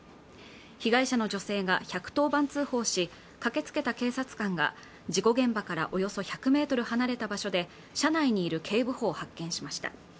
被害者の女性が１１０番通報し駆けつけた警察官が事故現場からおよそ１００メートル離れた場所で車内にいる警部補を発見しました